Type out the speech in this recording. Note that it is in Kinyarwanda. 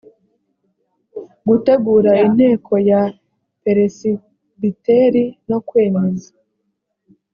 gutegura inteko ya peresibiteri no kwemeza